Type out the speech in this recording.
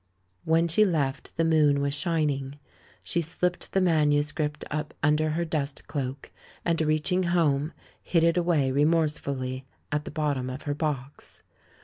When she left, the moon was shining. She slipped the manuscript up under her dust cloak, and, reaching home, hid it away remorsefully at the bottom of her box.